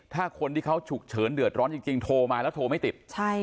ถ้าคนที่เขาฉุกเฉินเดือดร้อนจริงโทรมาแล้วโทรไม่ติด